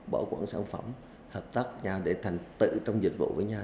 bảo quản sản phẩm hợp tác nhau để thành tựu trong dịch vụ với nhau